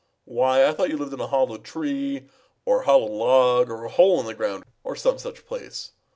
"Why, I thought you lived in a hollow tree or a hollow log or a hole in the ground or some such place.